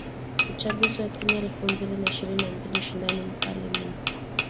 Uchaguzi wa Kenya elfu mbili na ishirini na mbili: ushindani mkali mno!!